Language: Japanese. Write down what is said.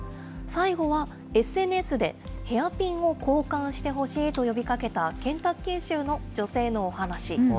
最後は、ＳＮＳでヘアピンを交換してほしいと呼びかけたケンタッキー州の女性のお話。